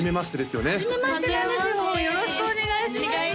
よろしくお願いします